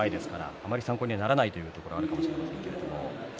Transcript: あまり参考にならないというところもあるかもしれません。